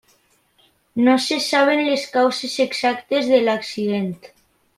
No se saben les causes exactes de l'accident.